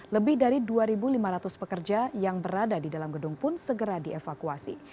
lebih dari dua lima ratus pekerja yang berada di dalam gedung pun segera dievakuasi